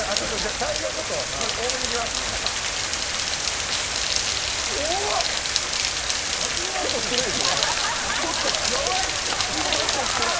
大量にちょっと多めにいきます。